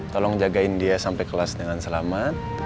tolong jagain dia sampai kelas dengan selamat